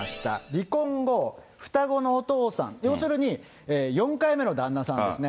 離婚後、双子のお父さん、要するに、４回目の旦那さんですね。